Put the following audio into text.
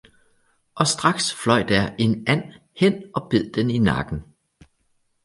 – og straks fløj der en and hen og bed den i nakken.